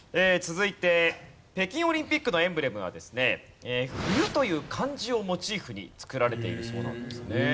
続いて北京オリンピックのエンブレムはですね「冬」という漢字をモチーフに作られているそうなんですね。